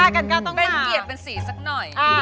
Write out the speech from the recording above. เกลียดเป็นสีสักหน่อย